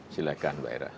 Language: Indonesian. silahkan mbak era